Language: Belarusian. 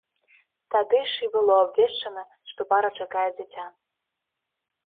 Тады ж і было абвешчана, што пара чакае дзіця.